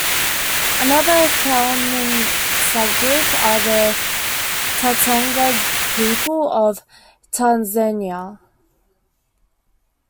Another Kalenjin sub-group are the Tatonga people of Tanzania.